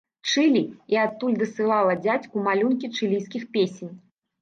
Чылі і адтуль дасылала дзядзьку малюнкі чылійскіх песень.